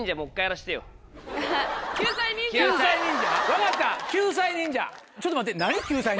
分かった救済忍者。